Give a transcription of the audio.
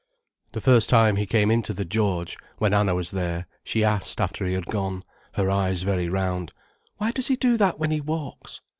The first time he came into the "George" when Anna was there, she asked, after he had gone, her eyes very round: "Why does he do that when he walks?"